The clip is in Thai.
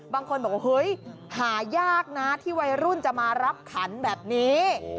บางคนบอกว่าเฮ้ยหายากนะที่วัยรุ่นจะมารับขันแบบนี้